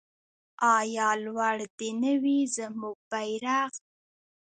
آیا لوړ دې نه وي زموږ بیرغ؟